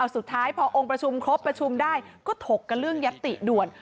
สุดท้ายพอองค์ประชุมครบประชุมได้ก็ถกกันเรื่องยัตติด่วน